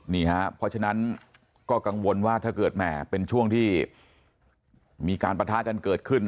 นี่ฮะเพราะฉะนั้นก็กังวลว่าถ้าเกิดแหมเป็นช่วงที่มีการปะทะกันเกิดขึ้น